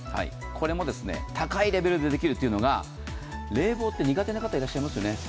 これも高いレベルでできるというのが、冷房って苦手な方、いらっしゃいますよね。